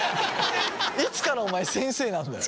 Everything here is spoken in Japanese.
いつからお前先生なんだよ！